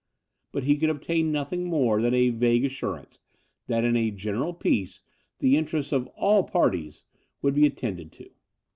But he could obtain nothing more than a vague assurance, that in a general peace the interests of all parties would be attended to.